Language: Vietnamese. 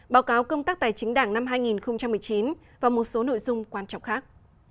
báo cáo công tác tài chính đảng năm hai nghìn một mươi chín và một số nội dung quan trọng khác